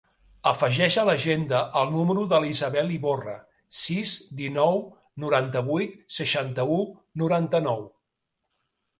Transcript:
Afegeix a l'agenda el número de l'Isabel Ivorra: sis, dinou, noranta-vuit, seixanta-u, noranta-nou.